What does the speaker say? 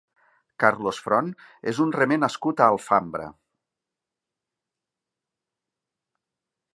Carlos Front és un remer nascut a Alfambra.